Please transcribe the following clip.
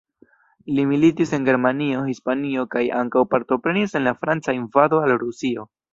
Li militis en Germanio, Hispanio kaj ankaŭ partoprenis en la Franca invado al Rusio.